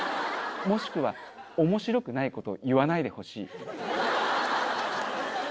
もしくは面白くない事を言わないでほしい。